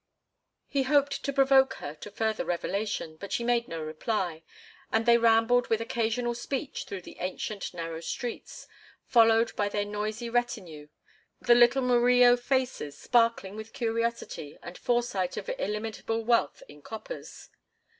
He hoped to provoke her to further revelation, but she made no reply, and they rambled with occasional speech through the ancient narrow streets, followed by their noisy retinue, the little Murillo faces sparkling with curiosity and foresight of illimitable wealth in coppers.